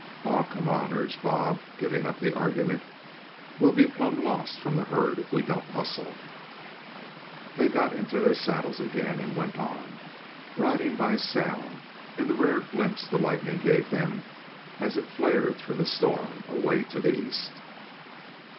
"Aw, come on," urged Bob, giving up the argument. "We'll be plumb lost from the herd if we don't hustle." They got into their saddles again and went on, riding by sound and the rare glimpses the lightning gave them as it flared through the storm away to the east.